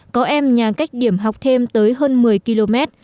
có em nhà cách điểm học thêm tới hơn một mươi km